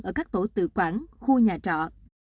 ở các tổ tự quản khu nhà trọ